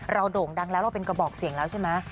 โด่งดังแล้วเราเป็นกระบอกเสียงแล้วใช่ไหม